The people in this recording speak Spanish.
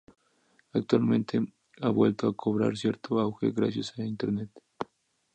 Actualmente, ha vuelto a cobrar cierto auge gracias a internet.